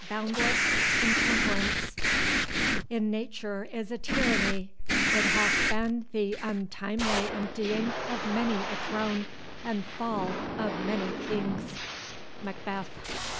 Boundless intemperance In nature is a tyranny—it hath been The untimely emptying of many a throne, And fall of many kings. MACBETH.